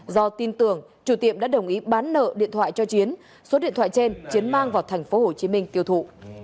do tin tưởng chủ tiệm đã đồng ý bán nợ điện thoại cho chiến số điện thoại trên chiến mang vào thành phố hồ chí minh tiêu thụ